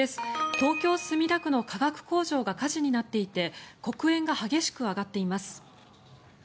東京・墨田区の化学工場が火事になっていて黒煙が激しく上がっています。